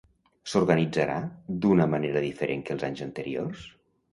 S'organitzarà d'una manera diferent que els anys anteriors?